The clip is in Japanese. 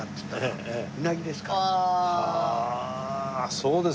そうですか。